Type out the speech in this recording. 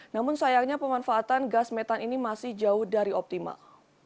namun sayangnya pemanfaatan gas metan ini masih jauh dari optimal